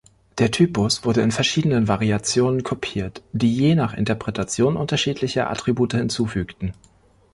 Der Typus wurde in verschiedenen Variationen kopiert, die je nach Interpretation unterschiedliche Attribute hinzufügten.